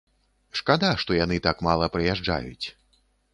Шкада, што яны так мала прыязджаюць.